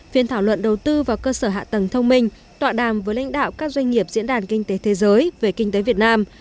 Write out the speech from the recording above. phiên thảo luận đầu tư vào cơ sở hạ tầng thông minh tọa đàm với lãnh đạo các doanh nghiệp diễn đàn kinh tế thế giới về kinh tế việt nam